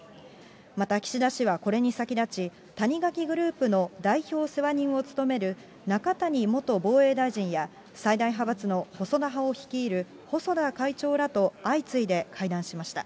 また、岸田氏はこれに先立ち、谷垣グループの代表世話人を務める中谷元防衛大臣や、最大派閥の細田派を率いる細田会長らと相次いで会談しました。